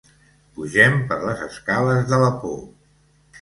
Pugem per les escales de la por.